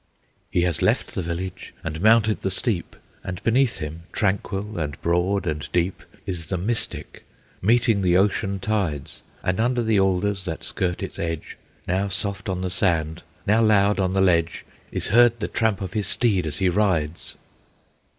He has left the village and mounted the steep, And beneath him, tranquil and broad and deep, Is the Mystic, meeting the ocean tides; And under the alders, that skirt its edge, Now soft on the sand, now loud on the ledge, Is heard the tramp of his steed as he rides.